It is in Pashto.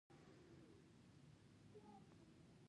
اوښ د دښتې لپاره جوړ شوی دی